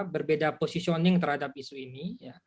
berbeda positioning terhadap isu ini